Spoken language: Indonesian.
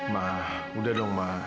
ma udah dong ma